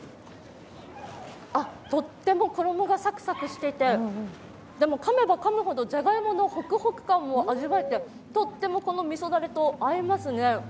とっても衣がサクサクしててでも、かめばかむほどじゃがいものホクホク感も味わえてとってもこのみそだれと合いますね。